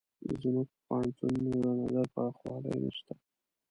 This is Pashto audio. زموږ په پوهنتونونو د نظر پراخوالی نشته.